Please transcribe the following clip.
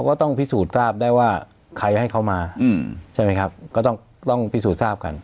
ก็ต้องพิสูจน์ทราบกัน